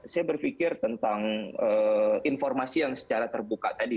saya berpikir tentang informasi yang secara terbuka tadi